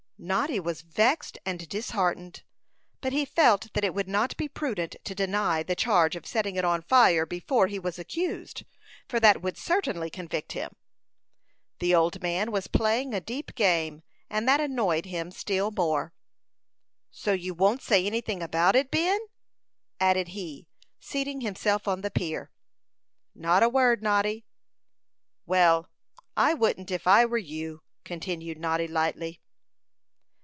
Noddy was vexed and disheartened; but he felt that it would not be prudent to deny the charge of setting it on fire before he was accused, for that would certainly convict him. The old man was playing a deep game, and that annoyed him still more. "So you won't say anything about it, Ben?" added he, seating himself on the pier. "Not a word, Noddy." "Well, I wouldn't if I were you," continued Noddy, lightly.